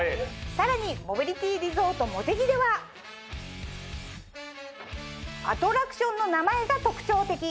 さらに「モビリティリゾートもてぎ」ではアトラクションの名前が特徴的。